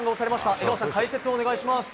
江川さん、解説をお願いします。